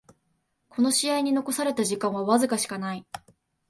この試合に残された時間はわずかしかない